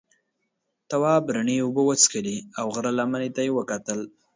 تواب رڼې اوبه وڅښلې او غره لمنې ته یې وکتل.